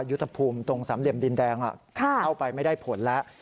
ยุทธภูมิตรงสามเหลี่ยมดินแดงเข้าไปไม่ได้ผลแล้ว